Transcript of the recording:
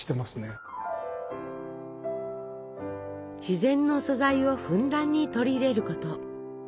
自然の素材をふんだんに取り入れること。